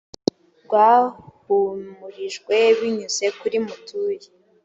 rwahumurijwe b binyuze kuri mutuyi